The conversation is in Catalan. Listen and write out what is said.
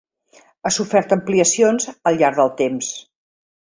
Ha sofert ampliacions al llarg del temps.